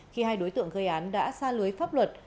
khi hai đối tượng gây án đã xa lưới pháp luật